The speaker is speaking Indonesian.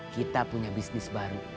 kita punya bisnis baru